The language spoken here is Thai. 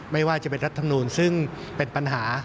ไม่ว่าจะเป็นรัฐมนูลซึ่งเป็นปัญหา